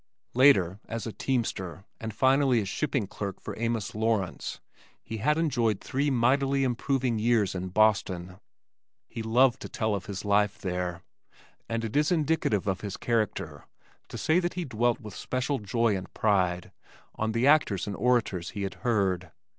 Later, as a teamster, and finally as shipping clerk for Amos Lawrence, he had enjoyed three mightily improving years in Boston. He loved to tell of his life there, and it is indicative of his character to say that he dwelt with special joy and pride on the actors and orators he had heard.